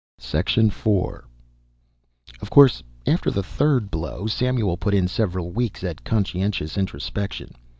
IV Of course, after the third blow Samuel put in several weeks at conscientious introspection.